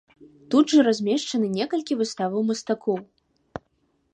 Тут жа размешчаны некалькі выставаў мастакоў.